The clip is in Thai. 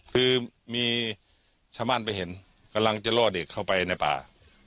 คือมีชาวบ้านไปเห็นกำลังจะล่อเด็กเข้าไปในป่า